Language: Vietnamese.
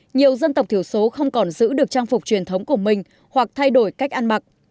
nhiều dân tộc thiểu số không còn giữ được trang phục truyền thống của mình hoặc thay đổi cách ăn mặc